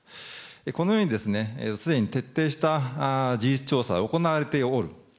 このように、すでに徹底した事実調査は行われておる。